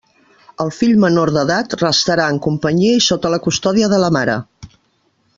El fill menor d'edat restarà en companyia i sota la custòdia de la mare.